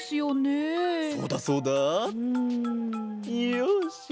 よし。